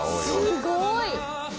すごい！